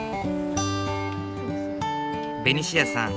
ベニシアさん